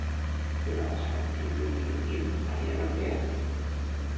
Demà passat en Lluc i en Guim aniran al teatre.